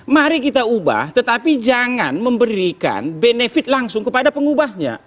mari kita ubah tetapi jangan memberikan benefit langsung kepada pengubahnya